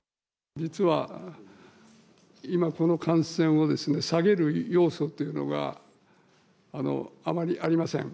実は、今この感染をですね、下げる要素というのが、あまりありません。